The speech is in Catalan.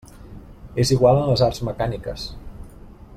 És igual en les arts mecàniques.